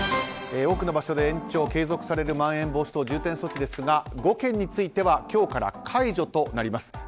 多くの場所で延長、継続されるまん延防止等重点措置ですが５県については今日から解除となります。